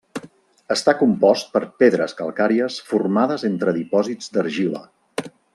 Està compost per pedres calcàries formades entre dipòsits d'argila.